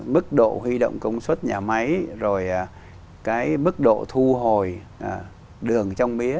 mức độ huy động công suất nhà máy mức độ thu hồi đường trong mía